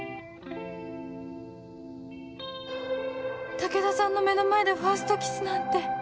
武田さんの目の前でファーストキスなんて